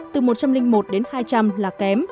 từ một trăm linh một đến hai trăm linh là kém